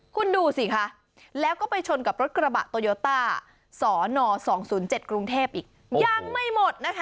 คุณดูสิคะแล้วก็ไปชนกับรถกระบะโตโยต้าสน๒๐๗กรุงเทพอีกยังไม่หมดนะคะ